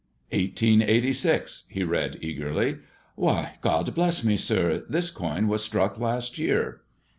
*' Eighteen eighty six," he read eagerly. " Why ! God bless me, sir I This coin was struck last year."